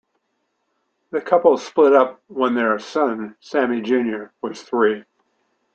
The couple split up when their son Sammy Junior was three.